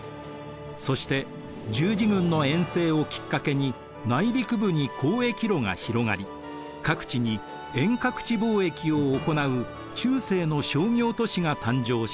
そして十字軍の遠征をきっかけに内陸部に交易路が広がり各地に遠隔地貿易を行う中世の商業都市が誕生しました。